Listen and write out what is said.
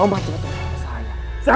kamu orang terakhir yang bersama